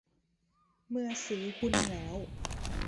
เมื่อซื้อหุ้นแล้ว